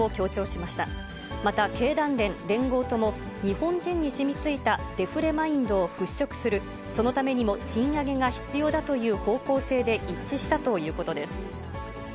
また、経団連、連合とも日本人に染みついたデフレマインドを払拭する、そのためにも賃上げが必要だという方向性で一致したということです。